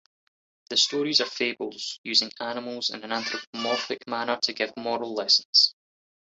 The stories are fables, using animals in an anthropomorphic manner to give moral lessons.